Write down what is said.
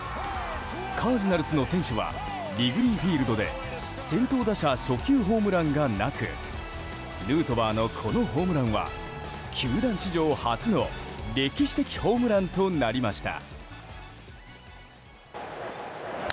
カージナルスの選手はリグリーフィールドで先頭打者初球ホームランがなくヌートバーのこのホームランは球団史上初の歴史的ホームランとなりました。